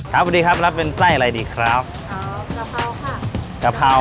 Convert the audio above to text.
ครับสวัสดีครับรับเป็นไส้อะไรดีครับอ๋อกะเพราค่ะ